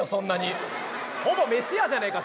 ほぼ飯屋じゃねえか